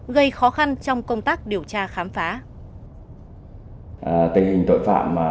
gây khó khăn trong công tác điều tra khám phá